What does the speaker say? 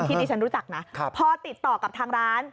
ที่ดิฉันรู้จักนะพอติดต่อกับทางร้าน